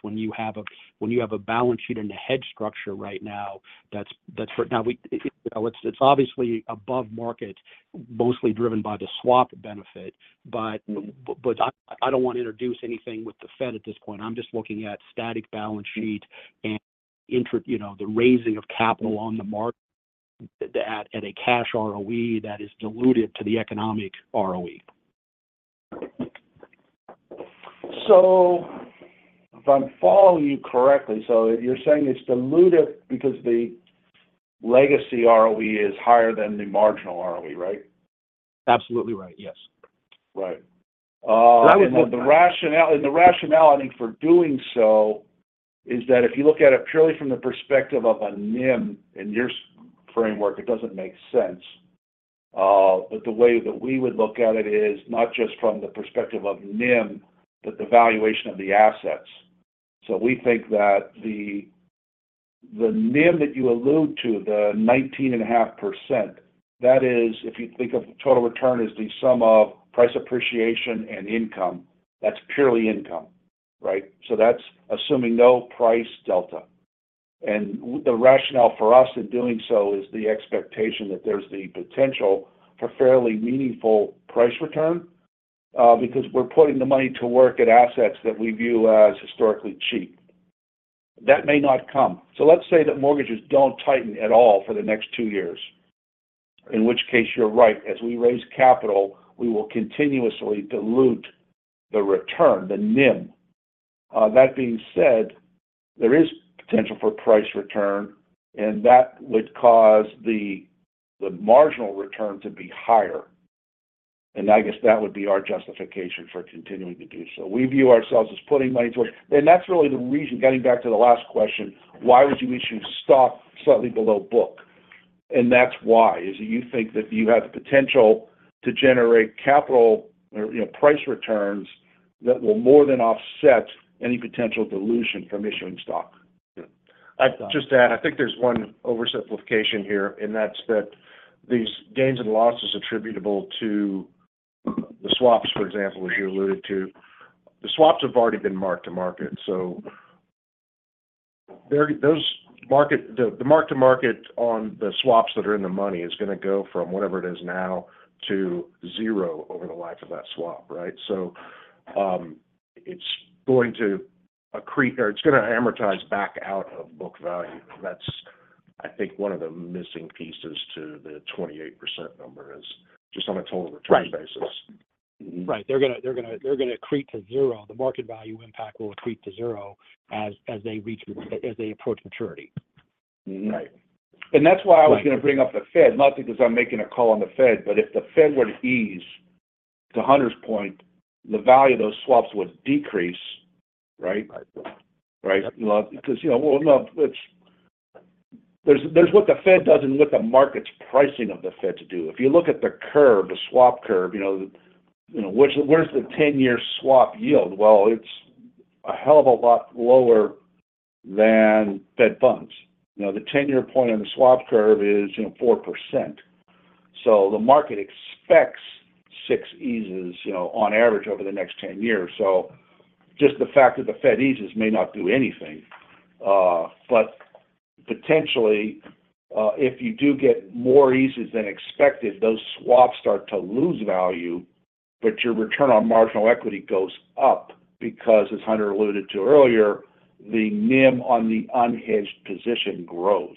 when you have a balance sheet and a hedge structure right now that's now it's obviously above market, mostly driven by the swap benefit. But I don't want to introduce anything with the Fed at this point. I'm just looking at static balance sheet and the raising of capital on the market at a cash ROE that is diluted to the economic ROE. So if I'm following you correctly, so you're saying it's diluted because the legacy ROE is higher than the marginal ROE, right? Absolutely right. Yes. Right. And the rationale for doing so is that if you look at it purely from the perspective of a NIM, in your framework, it doesn't make sense. But the way that we would look at it is not just from the perspective of NIM, but the valuation of the assets. So we think that the NIM that you allude to, the 19.5%, that is, if you think of total return as the sum of price appreciation and income, that's purely income, right? So that's assuming no price delta. And the rationale for us in doing so is the expectation that there's the potential for fairly meaningful price return because we're putting the money to work at assets that we view as historically cheap. That may not come. So let's say that mortgages don't tighten at all for the next two years, in which case you're right. As we raise capital, we will continuously dilute the return, the NIM. That being said, there is potential for price return, and that would cause the marginal return to be higher. I guess that would be our justification for continuing to do so. We view ourselves as putting money towards, and that's really the reason, getting back to the last question, why would you issue stock slightly below book? And that's why is that you think that you have the potential to generate capital or price returns that will more than offset any potential dilution from issuing stock. Just to add, I think there's one oversimplification here, and that's that these gains and losses attributable to the swaps, for example, as you alluded to. The swaps have already been marked to market. So the mark-to-market on the swaps that are in the money is going to go from whatever it is now to zero over the life of that swap, right? So it's going to accrete or it's going to amortize back out of book value. That's, I think, one of the missing pieces to the 28% number is just on a total return basis. Right. They're going to accrete to zero. The market value impact will accrete to zero as they approach maturity. Right. And that's why I was going to bring up the Fed, not because I'm making a call on the Fed, but if the Fed were to ease, to Hunter's point, the value of those swaps would decrease, right? Right? Because there's what the Fed does and what the market's pricing of the Fed to do. If you look at the curve, the swap curve, where's the 10-year swap yield? Well, it's a hell of a lot lower than Fed funds. The 10-year point on the swap curve is 4%. So the market expects 6 eases on average over the next 10 years. So just the fact that the Fed eases may not do anything. But potentially, if you do get more eases than expected, those swaps start to lose value, but your return on marginal equity goes up because, as Hunter alluded to earlier, the NIM on the unhedged position grows.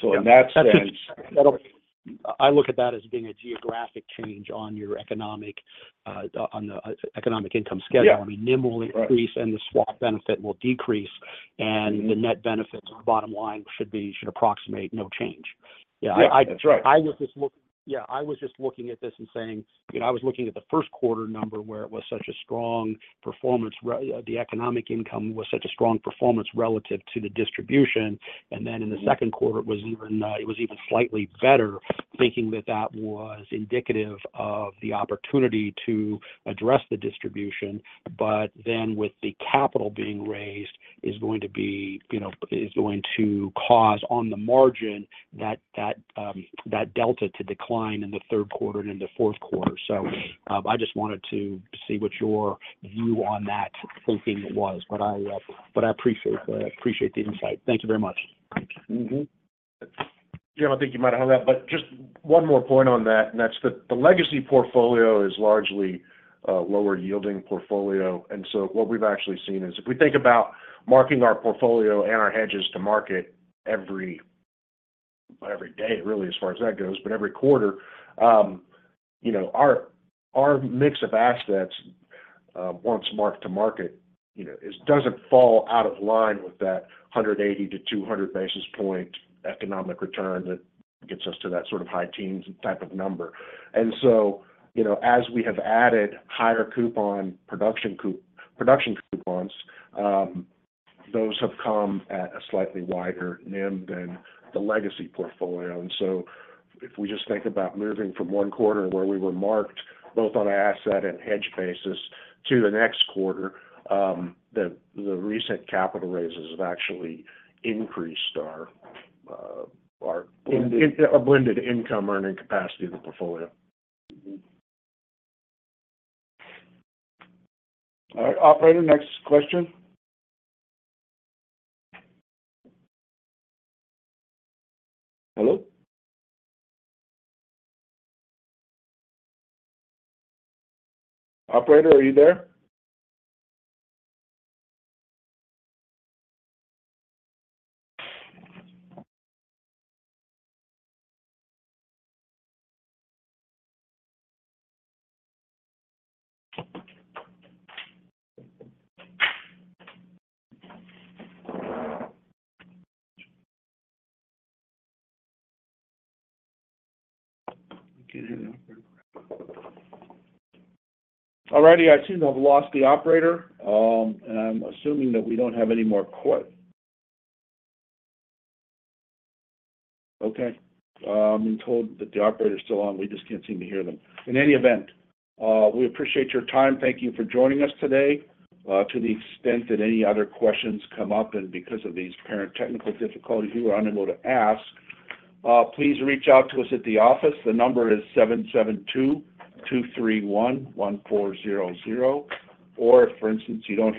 So in that sense. I look at that as being a geographic change on your economic income schedule. I mean, NIM will increase and the swap benefit will decrease, and the net benefits, bottom line, should approximate no change. Yeah. That's right. I was just looking, yeah, I was just looking at this and saying I was looking at the first quarter number where it was such a strong performance. The economic income was such a strong performance relative to the distribution. And then in the second quarter, it was even slightly better, thinking that that was indicative of the opportunity to address the distribution. But then with the capital being raised, it's going to be, it's going to cause, on the margin, that delta to decline in the third quarter and in the fourth quarter. So I just wanted to see what your view on that thinking was, but I appreciate the insight. Thank you very much. Yeah. I think you might have heard that. But just one more point on that, and that's that the legacy portfolio is largely a lower-yielding portfolio. And so what we've actually seen is if we think about marking our portfolio and our hedges to market every day, really, as far as that goes, but every quarter, our mix of assets, once marked to market, doesn't fall out of line with that 180-200 basis point economic return that gets us to that sort of high teens type of number. And so as we have added higher coupon production coupons, those have come at a slightly wider NIM than the legacy portfolio. And so if we just think about moving from one quarter where we were marked both on an asset and hedge basis to the next quarter, the recent capital raises have actually increased our blended income earning capacity of the portfolio. All right, Operator, next question. Hello? Operator, are you there? All righty. I seem to have lost the operator, and I'm assuming that we don't have any more questions. Okay. I'm told that the operator's still on. We just can't seem to hear them. In any event, we appreciate your time. Thank you for joining us today. To the extent that any other questions come up, and because of these apparent technical difficulties we were unable to ask, please reach out to us at the office. The number is 772-231-1400.Or if, for instance, you don't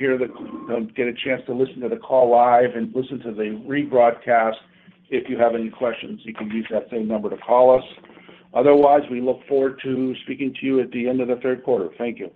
get a chance to listen to the call live and listen to the rebroadcast, if you have any questions, you can use that same number to call us. Otherwise, we look forward to speaking to you at the end of the third quarter. Thank you.